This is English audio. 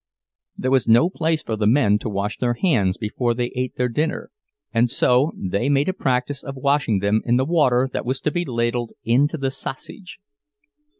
There was no place for the men to wash their hands before they ate their dinner, and so they made a practice of washing them in the water that was to be ladled into the sausage.